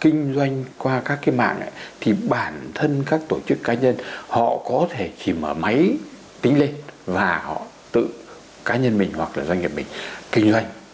kinh doanh qua các cái mạng thì bản thân các tổ chức cá nhân họ có thể chỉ mở máy tính lên và họ tự cá nhân mình hoặc là doanh nghiệp mình kinh doanh